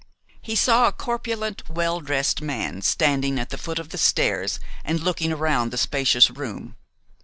He saw a corpulent, well dressed man standing at the foot of the stairs and looking around the spacious room.